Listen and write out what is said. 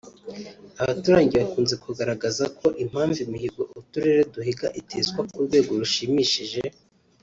Abaturage bakunze kugaragaza ko impamvu imihigo uturere duhiga iteswa ku rwego rushimishije